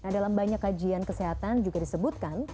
dalam banyak kajian kesehatan juga disebutkan